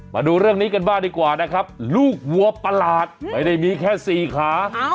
มาดูเรื่องนี้กันบ้างดีกว่านะครับลูกวัวประหลาดไม่ได้มีแค่สี่ขา